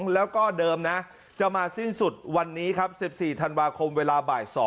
แล้วก็เดิมนะจะมาสิ้นสุดวันนี้ครับ๑๔ธันวาคมเวลาบ่าย๒